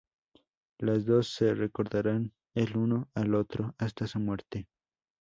Los dos se recordarán el uno al otro hasta su muerte.